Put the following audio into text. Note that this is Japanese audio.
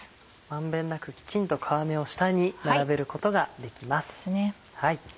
満遍なくきちんと皮目を下に並べることができます。